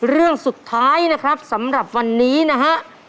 เรื่องสุดท้ายนะครับสำหรับวันนี้นะฮะ